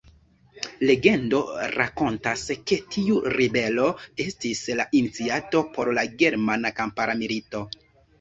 Legendo rakontas, ke tiu ribelo estis la iniciato por la Germana Kampara Milito.